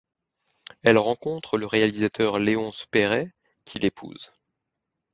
Elle rencontre le réalisateur Léonce Perret, qui l'épouse.